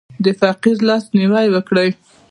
د فقیر لاس نیوی وکړه.